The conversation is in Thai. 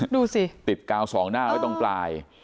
ดูสิติดกาวสองหน้าไว้ตรงปลาย